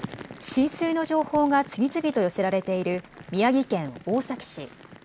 浸水の情報が次々と寄せられている宮城県大崎市。